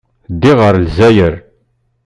Ddiɣ ɣer Lezzayer.